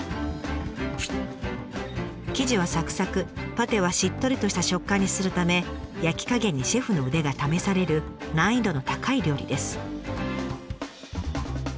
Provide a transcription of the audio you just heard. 生地はサクサクパテはしっとりとした食感にするため焼き加減にシェフの腕が試される難易度の高い料理です。